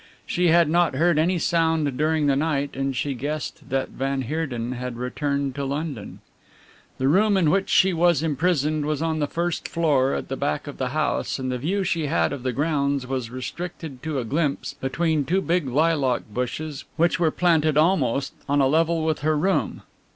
She had not heard any sound during the night and she guessed that van Heerden had returned to London. The room in which she was imprisoned was on the first floor at the back of the house and the view she had of the grounds was restricted to a glimpse between two big lilac bushes which were planted almost on a level with her room.